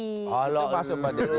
itu masuk pak deddy dulu